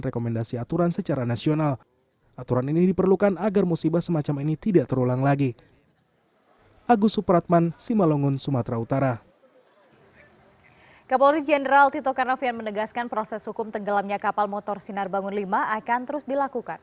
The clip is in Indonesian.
kapolri jenderal tito karnavian menegaskan proses hukum tenggelamnya kapal motor sinar bangun v akan terus dilakukan